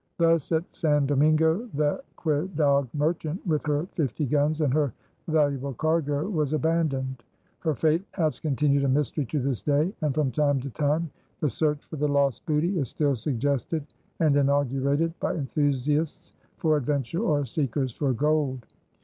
Thus at San Domingo the Quedagh Merchant, with her fifty guns and her valuable cargo, was abandoned. Her fate has continued a mystery to this day, and from time to time the search for the lost booty is still suggested and inaugurated by enthusiasts for adventure or seekers for gold.